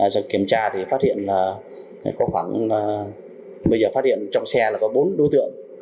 giờ kiểm tra thì phát hiện là có khoảng bây giờ phát hiện trong xe là có bốn đối tượng